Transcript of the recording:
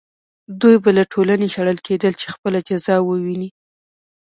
دوی به له ټولنې شړل کېدل چې خپله جزا وویني.